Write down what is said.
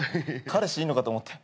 彼氏いんのかと思って。